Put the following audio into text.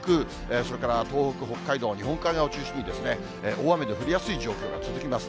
それから東北、北海道、日本海側を中心に、大雨の降りやすい状況が続きます。